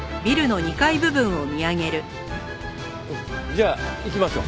じゃあ行きましょう。